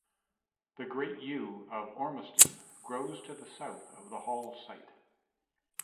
The Great Yew of Ormiston grows to the south of the hall site.